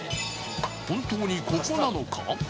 本当にここなのか？